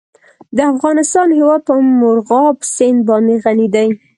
د افغانستان هیواد په مورغاب سیند باندې غني دی.